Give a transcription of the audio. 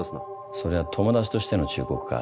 それは友達としての忠告か？